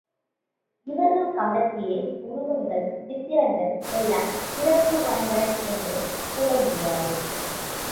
இவர்கள் காலத்திய உருவங்கள், சித்திரங்கள் எல்லாம் சிறப்பு வாய்ந்தன என்று சொல்ல முடியாது.